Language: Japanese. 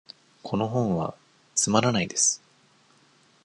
この本はつまらないです。